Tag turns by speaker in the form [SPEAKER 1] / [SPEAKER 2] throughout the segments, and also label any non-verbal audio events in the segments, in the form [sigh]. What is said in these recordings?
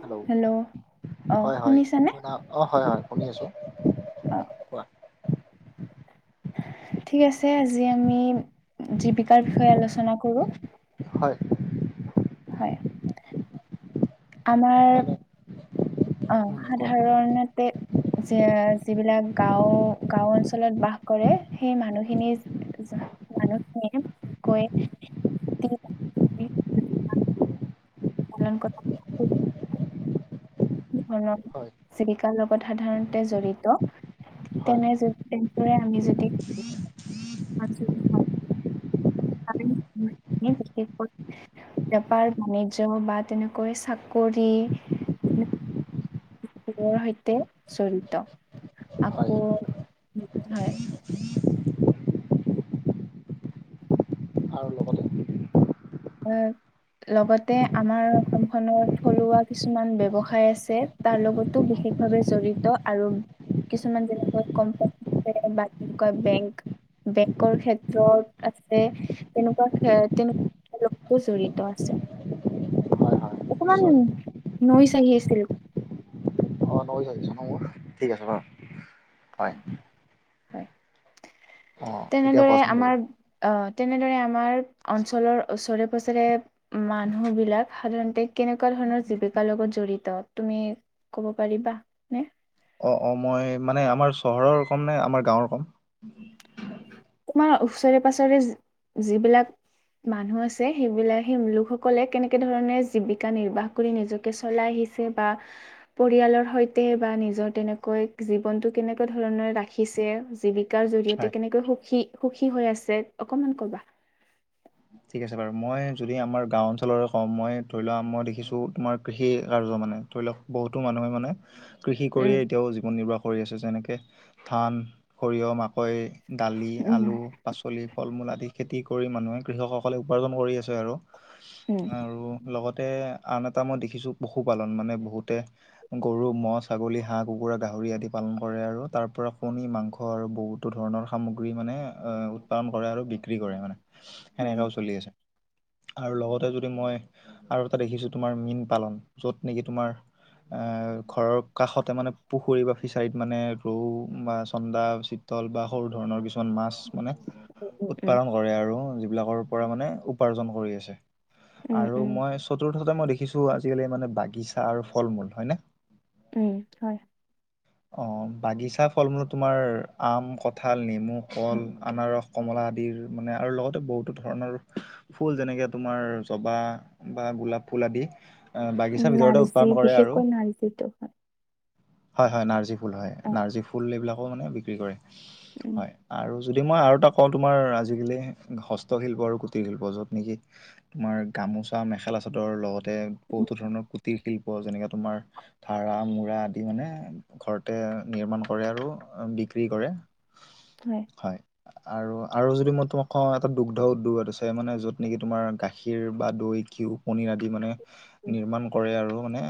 [SPEAKER 1] Hello
[SPEAKER 2] অ
[SPEAKER 1] হয় হয়
[SPEAKER 2] শুনিছানে
[SPEAKER 1] শুনা, অ হয় হয় শুনি আছোঁ।
[SPEAKER 2] অ।
[SPEAKER 1] কোৱা
[SPEAKER 2] ঠিক আছে আজি আমি জীৱিকাৰ বিষয়ে আলোচনা কৰো।
[SPEAKER 1] হয়।
[SPEAKER 2] হয়। আমাৰ
[SPEAKER 1] মানে
[SPEAKER 2] অ
[SPEAKER 1] উম কোৱা
[SPEAKER 2] সাধাৰণতে যে যিবিলাক গাওঁ গাওঁ অঞ্চলত বাস কৰে সেই মানুহখিনি এটোযা মানুহ নিয়ে কৈয়ে টি পালন ক'ত কোনো ধৰণৰ
[SPEAKER 1] হয়
[SPEAKER 2] জীৱিকাৰ লগত সাধাৰণতে জড়িত। ঠিক
[SPEAKER 1] হয়
[SPEAKER 2] তেনে যদ তেনেদৰে আমি যদি [unintelligible] [unintelligible] বেপাৰ বাণিজ্য বা তেনেকৈ চাকৰি। শীৰৰ সৈতে জড়িত
[SPEAKER 1] হয়
[SPEAKER 2] আকৌ হয়।
[SPEAKER 1] আৰু লগতে
[SPEAKER 2] আহ লগতে আমাৰ অসমখনত থলুৱা কিছুমান ব্যৱসায় আছে। তাৰ লগতো বিশেষ ভাৱে জড়িত আৰু কিছুমান যেনেকুৱা কোম্পানী আছে বা তেনেকুৱা বেংক। বেংকৰ ক্ষেত্ৰত আছে তেনেকুৱা তেনেক- [unintelligible] জড়িত আছে,
[SPEAKER 1] হয় হয়
[SPEAKER 2] অকমান
[SPEAKER 1] নিশ্চয়
[SPEAKER 2] নৈচ আহি আছিল।
[SPEAKER 1] নৈচ আহিছে ন মোৰ ঠিক আছে বাৰ
[SPEAKER 2] অ,
[SPEAKER 1] হয়।
[SPEAKER 2] হয়
[SPEAKER 1] অঁ এতিয়া
[SPEAKER 2] তেনেদৰে
[SPEAKER 1] কোৱাচোন বাৰু
[SPEAKER 2] আমাৰ আহ তেনেদৰে আমাৰ অঞ্চলৰ ওচৰে পজৰে মানুহ বিলাক সাধাৰণতে কেনেকুৱা ধৰণৰ জীৱিকাৰ লগত জড়িত। তুমি ক'ব পাৰিবা? নে
[SPEAKER 1] অ অ মই মানে আমাৰ চহৰৰ কম নে আমাৰ গাঁৱৰ কম।
[SPEAKER 2] তোমাৰ ওচৰে পাঁজৰে যিবিলাক মানুহ আছে সেইবিলাক সেই লোকসকলে কেনেকে ধৰণে জীৱিকা নিৰ্বাহ কৰি নিজকে চলাই আহিছ- চে বা পৰিয়ালৰ সৈতে বা নিজৰ তেনেকৈ জীৱনটো কেনেকুৱা ধৰণে ৰাখিছে জীৱিক কাৰ
[SPEAKER 1] হয়
[SPEAKER 2] জৰিয়তে কেনেকৈ সুখী সুখী হৈ আছে অকমান কবা।
[SPEAKER 1] ঠিক আছে বাৰু মই যদি আমাৰ গাঁও অঞ্চলৰে কওঁ মই ধৰি লোৱা মই দেখিছোঁ তোমাৰ কৃষি কাৰ্য মানে ধৰি লওক বহুতো মানুহে মানে কৃষি
[SPEAKER 2] উম
[SPEAKER 1] কৰিয়েই এতিয়াও জীৱন নিৰ্বাহ কৰি আছে যেনেকে ধান, সৰিয়হ, মাকৈ দালি,
[SPEAKER 2] উম
[SPEAKER 1] আলু, পাচলি, ফল-মূল আদি খেতি কৰি মানুহে কৃষকসকলে উপাৰ্জন কৰি আছে আৰু।
[SPEAKER 2] উম
[SPEAKER 1] আৰু লগতে আন এটা মই দেখিছো পশুপালন মানে বহুতে গৰু, ম'হ, ছাগলী, হাঁহ-কুকুৰা, গাহৰি আদি পালন কৰে আৰু তাৰ পৰা কণী মাংস আৰু বহুত বহুতো ধৰণৰ সামগ্ৰী মানে উৎপাদন কৰে আৰু বিক্ৰী কৰে মানে
[SPEAKER 2] [unintelligible]
[SPEAKER 1] সেনেকাও চলি আছে আৰু লগতে যদি মই আৰু এটা দেখিছো তোমাৰ মীন পালন যত নেকি তোমাৰ এ ঘৰৰ কাষতে মানে পুখুৰী বা ফিচাৰীত মানে ৰৌ বা চন্দা চি তল বা সৰু ধৰণৰ কিছুমান মাছ মানে
[SPEAKER 2] উম উম
[SPEAKER 1] উৎপাদন কৰে আৰু যিবিলাকৰ পৰা মানে উপাৰ্জন কৰি আছে
[SPEAKER 2] উম
[SPEAKER 1] আৰু
[SPEAKER 2] উম
[SPEAKER 1] মই চতুৰ্থতে মই দেখিছো আজিকালি মানে বাগিছা আৰু ফল মূল হয় নে
[SPEAKER 2] উম হয়
[SPEAKER 1] অ বাগিচা ফল মূলত তোমাৰ আম, কঁঠাল, নেমু, কল, আনাৰস কমলা আদিৰ মানে আৰু লগতে বহুতো ধৰণৰ ফুল যেনেকে তোমাৰ জবা বা গোলাপ ফুল আদি
[SPEAKER 2] উম
[SPEAKER 1] বাগিচাৰ ভিতৰতে
[SPEAKER 2] নাৰ্জী
[SPEAKER 1] উৎপাদন কৰে আৰু
[SPEAKER 2] বিশেষকৈ নাৰ্জীটো হয়
[SPEAKER 1] হয় হয় নাৰ্জী ফুল হয়
[SPEAKER 2] অ
[SPEAKER 1] নাৰ্জী ফুল এইবিলাকো মানে বিক্ৰী কৰে
[SPEAKER 2] উম
[SPEAKER 1] হয় আৰু যদি মই আৰু এটা কওঁ তোমাৰ আজিকালি হস্তশিল্প আৰু কুটিৰ শিল্প য'ত নেকি তোমাৰ গামোচা, মেখেলা চাদৰ লগত তাতে
[SPEAKER 2] উম,
[SPEAKER 1] বহুতো ধৰণৰ কুটিৰ শিল্প যেনেকে তোমাৰ ধাৰা, মূঢ়া আদি মানে ঘৰতে নিৰ্মাণ কৰে আৰু বিক্ৰী কৰে
[SPEAKER 2] হয়
[SPEAKER 1] হয় আৰু আৰু যদি মই তোমাক কওঁ এটা দুগ্ধ উদ্যোগ ইয়াত আছে মানে য'ত নেকি তোমাৰ গাখীৰ বা দৈ ঘিঁউ পনীৰ আদি মানে
[SPEAKER 2] উম
[SPEAKER 1] নিৰ্মাণ কৰে আৰু মানে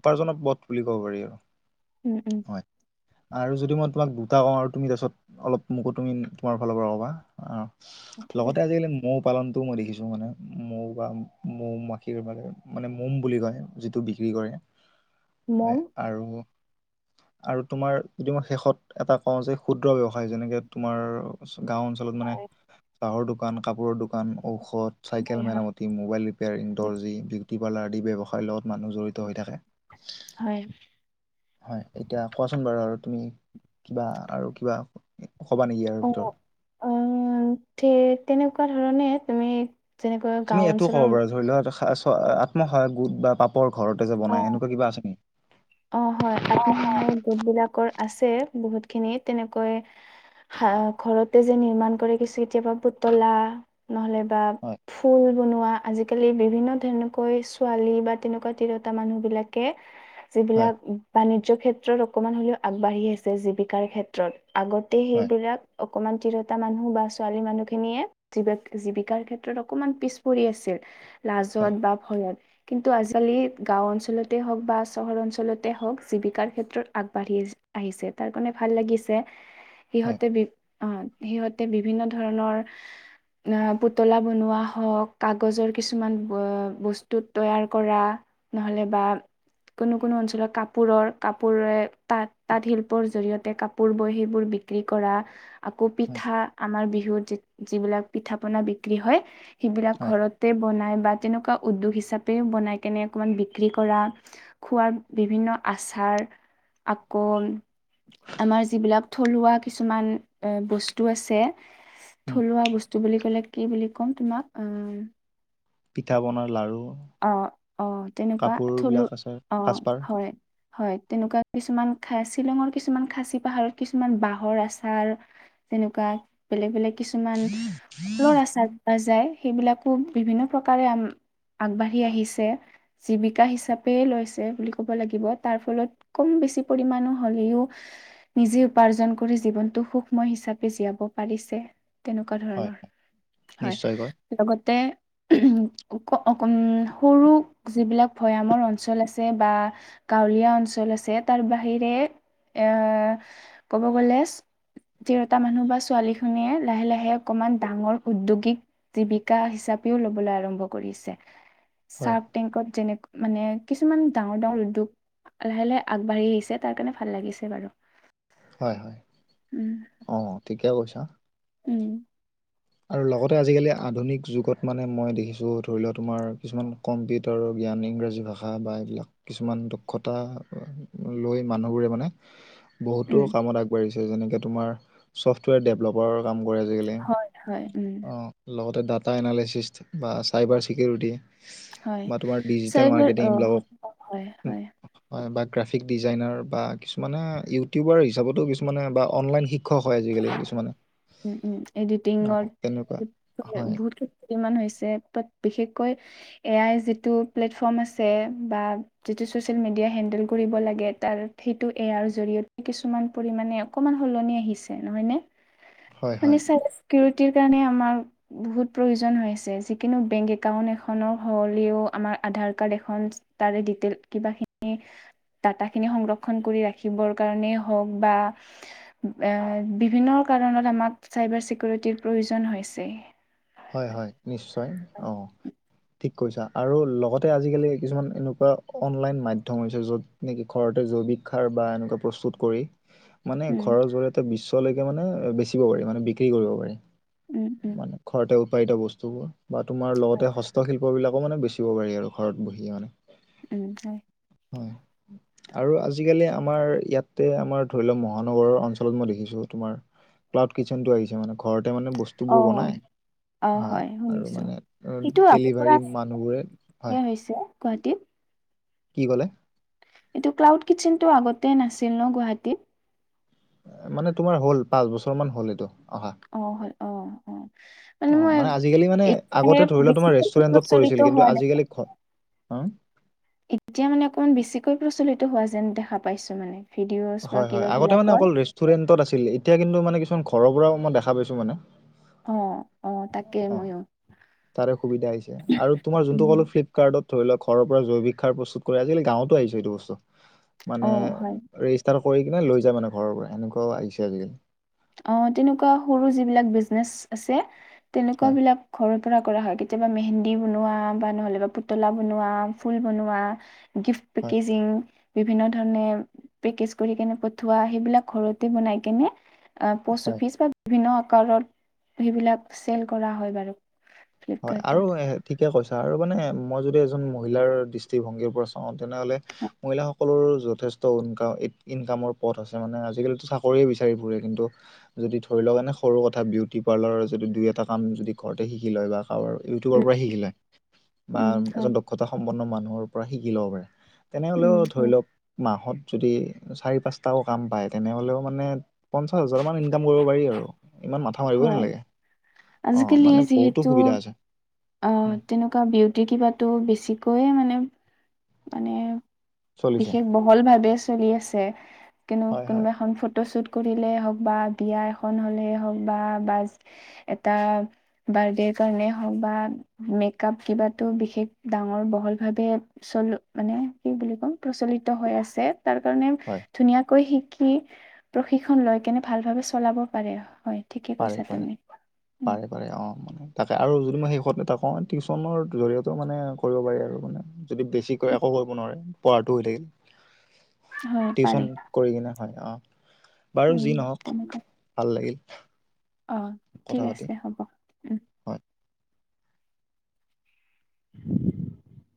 [SPEAKER 1] উপাৰ্জক পথ বুলি ক'ব পাৰি আৰু
[SPEAKER 2] উম উম
[SPEAKER 1] হয় আৰু যদি মই তোমাক দুটা কওঁ আৰু তুমি তাৰপিছত অলপ মোকো তুমি তোমাৰ ফালৰ পৰা ক'বা অ
[SPEAKER 2] ঠিক
[SPEAKER 1] লগতে
[SPEAKER 2] আছে
[SPEAKER 1] আজিকালি মৌ পালনটোও মই দেখিছোঁ মানে মৌ বা মৌ মাখিৰ বাবে মানে মৌম বুলি কয় যিটো বিক্ৰী কৰে
[SPEAKER 2] [inaudible]
[SPEAKER 1] হয় আৰু আৰু তোমাৰ যদি মই শেষত এটা কওঁ যে ক্ষুদ্ৰ ব্যাৱসায়ি যেনেকে তোমাৰ গাওঁ অঞ্চলত মানে
[SPEAKER 2] হয়
[SPEAKER 1] চাহৰ দোকান, কাপোৰৰ দোকান, ঔষধ,
[SPEAKER 2] হয়
[SPEAKER 1] চাইকেল
[SPEAKER 2] হয়
[SPEAKER 1] মেৰা মত মোবাইল ৰিপেয়াৰং,
[SPEAKER 2] উম,
[SPEAKER 1] দৰ্জি, বিউটি পাৰ্লাৰ আদি ব্যৱসায় লগত মানুহ জড়িত হৈ থাকে
[SPEAKER 2] হয়
[SPEAKER 1] হয় এতিয়া কোৱাচোন বাৰু আৰু তুমি কিবা আৰু কিবা ক'বা নেকি আৰু
[SPEAKER 2] অ
[SPEAKER 1] ভিতৰত
[SPEAKER 2] অ ঠিক তেনেকুৱা ধৰণে তুমি যেনেকৈ
[SPEAKER 1] তুমি
[SPEAKER 2] গাঁও
[SPEAKER 1] এইটোও ক'ব
[SPEAKER 2] অঞ্চলৰ
[SPEAKER 1] পাৰা ধৰি লোৱাক আত্মসহায়ক গোট বা পাপৰ ঘৰতে যে
[SPEAKER 2] অ
[SPEAKER 1] বনাই এনেকুৱা কিবা আছে নেকি
[SPEAKER 2] অ হয় আত্মসহায় গোট বিলাকৰ আছে বহুত খিনি তেনেকৈ হা ঘৰতে যে নিৰ্মাণ কৰে কিছু কেতিয়াবা পুতলা নহ'লে বা
[SPEAKER 1] হয়,
[SPEAKER 2] ফুল বনোৱা আজিকালি বিভিন্ন ধেনেকৈ ছোৱালী বা তেনেকুৱা তিৰতা মানুহ বিলাকে
[SPEAKER 1] হয়,
[SPEAKER 2] যিবিলাক বাণিজ্য ক্ষেত্ৰত অকমান হ'লেও আগবাঢ়ি আছে জীৱিকাৰ ক্ষেত্ৰত আগত তে
[SPEAKER 1] হয়,
[SPEAKER 2] সেইবিলাক অকমান তিৰতা মানুহ বা ছোৱালী মানুহ খিনিয়ে জীবাক জীৱিকাৰ ক্ষেত্ৰত অকমান পিছ পৰি আছিল
[SPEAKER 1] হয়,
[SPEAKER 2] লাজত বা ভয়ত কিন্তু আজিকালি গাঁও অঞ্চলতে হওক বা চহৰ অঞ্চলতে হওঁক জীৱিকাৰ ক্ষেত্ৰত আগবাঢ়ি আহিছে তাৰ কাৰণে ভাল লাগিছে।
[SPEAKER 1] হয়,
[SPEAKER 2] সিহঁতে বি অ' সিহঁতে বিভিন্ন ধৰণৰ পুতলা বনোৱা হওঁক কাগজৰ কিছুমান বস্তু তৈয়াৰ কৰা। নহ'লে বা কোনো কোনো অঞ্চলৰ কাপোৰৰ কাপোৰে তাঁত তাঁত শিল্পৰ জৰিয়তে কাপোৰ বয় সেইবোৰ বি ক্ৰী কৰা। আকৌ
[SPEAKER 1] হয়,
[SPEAKER 2] পিঠা আমাৰ বিহুত যি যিবিলাক পিঠা পনা বিক্ৰী হয় সেইবিলাক
[SPEAKER 1] হয়,
[SPEAKER 2] ঘৰত তে বনাই বা তেনেকুৱা উদ্যোগ হিচাপেও বনাই কেনে অকমান বিক্ৰী কৰা খোৱাৰ বিভিন্ন আচাৰ আকৌ আমাৰ যিবিলাক থলুৱা কিছুমান বস্তু আছে
[SPEAKER 1] উম,
[SPEAKER 2] থলুৱা বস্তু বুলি ক'লে কি বুলি ক'ম তোমাক
[SPEAKER 1] পিঠা [unintelligible] লাড়ু।
[SPEAKER 2] অ', অ' তেনেকুৱা থলো
[SPEAKER 1] আছে
[SPEAKER 2] অ'
[SPEAKER 1] সাজপাৰ
[SPEAKER 2] হয়। হয় তেনেকুৱা কিছুমান খাচি শ্বিলঙৰ কিছুমান খাচী পাহাৰত কিছুমান বাঁহৰ আচাৰ। তেনেকুৱা বেলেগ-বেলেগ কিছুমান ফলৰ আচাৰ পোৱা যায় সেইবিলাকো বিভিন্ন প্ৰকাৰে আম আগবাঢ়ি আহিছে জীৱিকা হিচাপে লৈছে বুলি ক'ব লাগিব তাৰ ফলত কম বেছি পৰিমাণো হ'লেও নিজে উপাৰ্জন কৰি জীৱনটো সুখময় হিচাপে জীয়াব পাৰিছে। তেনেকুৱা
[SPEAKER 1] হয়,
[SPEAKER 2] ধৰণৰ
[SPEAKER 1] নিশ্চয়কৈ
[SPEAKER 2] হয় লগতে অকন সৰু যিবিলাক ভৈয়ামৰ অঞ্চল আছে বা গাঁৱলীয়া অঞ্চল আছে তাৰ বাহিৰে এ ক'ব গলে তিৰোতা মানুহ বা ছোৱালী খিনিয়ে লাহে-লাহে অকমান ডাঙৰ উদ্যোগিক জীৱিকা হিচাপেও লবলৈ আৰম্ভ কৰিছে।
[SPEAKER 1] হয়,
[SPEAKER 2] চাৰ্ক টেংকত যেনে মানে কিছুমান ডাঙৰ ডাঙৰ উদ্যোগ। লাহে-লাহে আগবাঢ়ি আহিছে তাৰ কাৰণে ভাল লাগিছে বাৰু।
[SPEAKER 1] হয়-হয়
[SPEAKER 2] উম
[SPEAKER 1] অ' ঠিকে কৈছা।
[SPEAKER 2] উম।
[SPEAKER 1] আৰু লগতে আজিকালি আধুনিক যুগত মানে মই দেখিছোঁ ধৰি লোৱা তোমাৰ কিছুমান কম্পিউটাৰৰ জ্ঞান ইংৰাজী ভাষা বা এইবিলাক কিছুমান দুক্ষতা লৈ মানুহবোৰে মানে বহুতো
[SPEAKER 2] উম
[SPEAKER 1] কামত আগবাঢ়িছে যেনেকে তোমাৰ ছফ্টৱেৰ ডেভেলপৰ কাম কৰে আজিকালি।
[SPEAKER 2] হয় হয় উম
[SPEAKER 1] অ' লগতে ডাটা এনালিসিসট বা চাইবাৰ চিকিউৰিটি।
[SPEAKER 2] হয়
[SPEAKER 1] বা তোমাৰ
[SPEAKER 2] চ
[SPEAKER 1] ডিজিটেল
[SPEAKER 2] এইবাৰ
[SPEAKER 1] মাৰ্কেটিং
[SPEAKER 2] অ
[SPEAKER 1] এইবিলাকক
[SPEAKER 2] হয় হয়
[SPEAKER 1] হয় বা গ্ৰাফিক ডিজাইনাৰ বা কিছুমানে ইউটিউবাৰ হিচাপতো কিছুমানে বা অনলাইন শিক্ষা শিক্ষক হয় আজিকালি কিছুমানে।
[SPEAKER 2] উম, উম এডিটিংত
[SPEAKER 1] অ তেনেকুৱা হয়
[SPEAKER 2] বহুত কিমান হৈছে তাত বিশেষকৈ এ আই যিটো প্লেটফৰ্ম আছে বা যিটো ছচিয়েল মিডিয়া হেণ্ডেল কৰিব লাগে তাত সেইটো এ আই জৰিয়তে কিছুমান পৰিমানে অকমান সলনি আহিছে নহয় নে
[SPEAKER 1] হয়
[SPEAKER 2] মানে
[SPEAKER 1] হয়
[SPEAKER 2] চিকিউৰিটিৰ কাৰণে আমাৰ বহুত প্ৰয়োজন হয় আছে যিকোনো বেংক একাউন্ট এখনৰ হলেও আমাৰ আধাৰ কাৰ্ড এখন তাৰে ডিতেইল কিবা খিনি ডাটা খিনি সংৰক্ষণ কৰি ৰাখিবৰ কাৰণেই হওক বা এ বিভিন্ন কাৰণত আমাক চাইবাৰ চিকিউৰিটিৰ প্ৰয়োজন হৈছে।
[SPEAKER 1] হয়-হয় নিশ্চয় অ'। ঠিক কইছা আৰু লগতে আজিকালি কিছুমান এনেকুৱা অনলাইন মাধ্যম হৈছে য'ত নেকি ঘৰতে জৈৱিক সাৰ বা এনেকুৱা প্ৰস্তুত কৰি মানে
[SPEAKER 2] উম,
[SPEAKER 1] ঘৰৰ জৰিয়তে বিশ্বলৈকে মানে বেচিব পাৰি মানে বিক্ৰী কৰিব পাৰি।
[SPEAKER 2] উম-উম।
[SPEAKER 1] মানে ঘৰতে উৎপাদিত বস্তুবোৰ বা তোমাৰ
[SPEAKER 2] হয়,
[SPEAKER 1] লগতে হস্তশিল্প [unintelligible] বিলাকো মানে বেচিব পাৰি আৰু ঘৰত বহিয়ে মানে।
[SPEAKER 2] উম, হয়।
[SPEAKER 1] হয়। আৰু আজিকালি আমাৰ ইয়াতে আমাৰ ধৰি লওক মহানগৰৰ অঞ্চলত মই দেখিছোঁ তোমাৰ ক্লাউড কিচেন টো আহিছে মানে ঘৰতে মানে বস্তুবোৰ
[SPEAKER 2] অ',
[SPEAKER 1] বনাই
[SPEAKER 2] অ' হয়
[SPEAKER 1] আৰু
[SPEAKER 2] শুনিছো
[SPEAKER 1] মানে
[SPEAKER 2] সেইটো আজিৰ পৰা
[SPEAKER 1] ডেলিভাৰী মানুহবোৰে হয়
[SPEAKER 2] হে হৈছে গুৱাহাটীত।
[SPEAKER 1] কি ক'লে?
[SPEAKER 2] এইটো ক্লাউড কিটচন টো আগতেই নাছিল ন' গুৱাহাটীত?
[SPEAKER 1] মানে তোমাৰ হ'ল পাঁচ বছৰ মান হ'ল এইটো অহা।
[SPEAKER 2] অ, হয় অ', অ',।
[SPEAKER 1] অ, মানে আজিকালি মানে
[SPEAKER 2] এতিয়াহে
[SPEAKER 1] আগতে ধৰি লোৱা তোমাৰ
[SPEAKER 2] বেছিকৈ
[SPEAKER 1] ৰেষ্টুৰেণ্টত
[SPEAKER 2] প্ৰচলিত
[SPEAKER 1] কৰিছিল কিন্তু
[SPEAKER 2] হোৱা দেখা
[SPEAKER 1] আজিকালি [unintelligible]
[SPEAKER 2] এতিয়া মানে অকমান বেছিকৈ প্ৰচলিত হোৱা যেন দেখা পাইছোঁ মানে ভিডিঅ'জ বা কিবাবিলাকত।
[SPEAKER 1] ষ্টুৰেণ্টত আছিল এতিয়া কিন্তু মানে কিছুমান ঘৰৰ পৰাও মই দেখা পাইছো মানে।
[SPEAKER 2] অ', অ', তাকে
[SPEAKER 1] অ,
[SPEAKER 2] ময়ো
[SPEAKER 1] তাৰে সুবিধা হৈছে আৰু তোমাৰ যোনটো
[SPEAKER 2] উম,
[SPEAKER 1] ক'লো ফিড কাৰ্ডত ধৰি লওঁক ঘৰৰ পৰা জৈৱিকসাৰ প্ৰস্তুত কৰে আজিকালি গাঁওতো আহিছে এইটো বস্তু মানে
[SPEAKER 2] অ', হয়।
[SPEAKER 1] ৰেজিষ্টাৰ কৰি কিনে লৈ যায় মানে ঘৰৰ পৰা এনেুৱাও আহিছে আজিকালি।
[SPEAKER 2] অ, তেনেকুৱা সৰু যিবিলাক বিজনেচ আছে তেনেকুৱা
[SPEAKER 1] হয়
[SPEAKER 2] বিলাক ঘৰৰ পৰা কৰা হয় কেতিয়াবা মেহেন্দী বনোৱা বা নহলে বা পুতলা বনোৱা ফুল বনোৱা গিফ্ট
[SPEAKER 1] হয়
[SPEAKER 2] পেকেজিং বিভিন্ন ধৰণে পেকেজ কৰি কেনে পঠোৱা সেইবিলাক ঘৰতে বনাই কেনে অ, প'ষ্ট
[SPEAKER 1] হয়
[SPEAKER 2] অফিচ বা বিভিন্ন আকাৰত সেইবিলাক চেল কৰা হয় বাৰু।
[SPEAKER 1] হয় আৰু
[SPEAKER 2] ফ্লিপকাৰ্টত।
[SPEAKER 1] এ ঠিকে কৈছা আৰু মানে মই যদি এজন মহিলাৰ দৃষ্টিভংগীৰ পৰা চা অ, তেনেহলে মহিলাস সকলোৰ যথেষ্ট ইনকা -ইনকামৰ পথ আছে মানে আজিকালিতো চাকৰিয়ে বিচাৰি ফুৰে কিন্তু যদি ধৰি লওক এনে সৰু কথা বিউটি পাৰ্লাৰৰ যদি দুই এটা কাম যদি ঘৰতে শিকি লয় বা [unintelligible] ইউটিবৰ
[SPEAKER 2] উম,
[SPEAKER 1] পৰা শিকিলে বা
[SPEAKER 2] উম, হয়।
[SPEAKER 1] এজন ডক ক্ষতা সম্পন্ন মানুহৰ পৰা শিকি ল'ব পাৰে
[SPEAKER 2] উম,
[SPEAKER 1] তেনেহ'লেও ধৰি
[SPEAKER 2] হয়।
[SPEAKER 1] লওক মাহত যদি চাৰি, পাঁচটাও কাম পায় তেনেহ'লেও মানে পঞ্চাশ হাজাৰ মান ইনকাম কৰিব পাৰি আৰু ইমান মাথা মাথা মাৰিবই
[SPEAKER 2] হয়
[SPEAKER 1] নালাগে অ,
[SPEAKER 2] আজিকালি
[SPEAKER 1] মানে বহুতো
[SPEAKER 2] যিহেতু
[SPEAKER 1] সুবিধা আছে।
[SPEAKER 2] অ,
[SPEAKER 1] উম,
[SPEAKER 2] তেনেকুৱা বিউটি কিবাটো বেছিকৈয়ে মানে -মানে
[SPEAKER 1] চলিছে
[SPEAKER 2] বিশেষ বহল ভাৱে চলি আছে কিনো
[SPEAKER 1] হয়, হয়,
[SPEAKER 2] কোনোবা এখন ফটোশ্বুট কৰিলে হওক বা বিয়া এখন হলে হওক বা- বাজ এটা বাৰ্থডেৰ কাৰণে হওক বা মেক আপ কিবাটো বিশেষ ডাঙৰ বহল ভাৱে চলো মানে কি বুলি ক'ম প্ৰচলিত হৈ আছে তাৰ কাৰণে
[SPEAKER 1] হয়।
[SPEAKER 2] ধুনীয়াকৈ শিক শিকি প্ৰশিক্ষণ লয় কেনে ভাল ভাৱে চলাব পাৰে হয়। ঠিকে
[SPEAKER 1] পাৰে
[SPEAKER 2] কৈছা
[SPEAKER 1] -পাৰে
[SPEAKER 2] তুমি উম
[SPEAKER 1] পাৰে -পাৰে অ। তাকে আৰু যদি মই শেষত এটা কওঁ টিউচনৰ জৰিয়তেও মানে কৰিব পাৰি আৰু মানে। যদি বেছিকৈ একো কৰিব নোৱাৰে পঢ়াটো হৈ থাকে।
[SPEAKER 2] [inaudible] পাৰি
[SPEAKER 1] টিউচন কৰি কিনে হয় অ, বাৰু
[SPEAKER 2] উম
[SPEAKER 1] যি নহওক
[SPEAKER 2] তেনেকুৱা
[SPEAKER 1] ভাল লাগিল।
[SPEAKER 2] অ,
[SPEAKER 1] কথা
[SPEAKER 2] ঠিক
[SPEAKER 1] পাতি
[SPEAKER 2] আছে হ'ব। উম
[SPEAKER 1] হয়।
[SPEAKER 2] [inaudible]